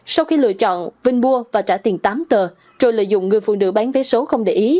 sau khi lựa chọn vinh mua và trả tiền tám tờ rồi lợi dụng người phụ nữ bán vé số không để ý